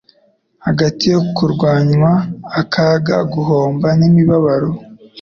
hagati yo kurwanywa, akaga, guhomba, n'imibabaro.